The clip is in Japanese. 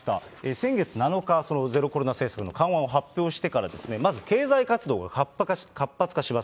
先月７日、そのゼロコロナ政策の緩和を発表してから、まず経済活動が活発化します。